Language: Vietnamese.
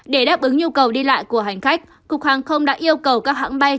để đáp ứng nhu cầu đi lại của hành khách cục hàng không đã yêu cầu các hãng bay